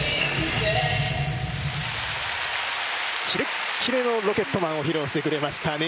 キレッキレの「ロケットマン」を披露してくれました